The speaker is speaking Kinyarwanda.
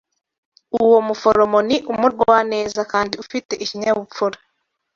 Uwo muforomo ni umugwaneza kandi ufite ikinyabupfura.